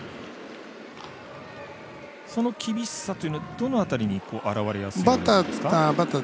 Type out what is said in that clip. その厳しさというのはどの辺りに現れやすいんですか？